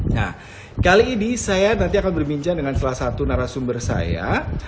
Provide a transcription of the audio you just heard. nah kali ini saya nanti akan berbincang dengan salah satu narasumber saya